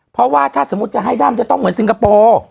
เพราะว่าถ้าสมมุติจะให้ด้ามจะต้องเหมือนซิงคโปร์